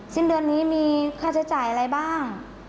สิ้นเดือนนี้มีค่าใช้จ่ายอะไรบ้าง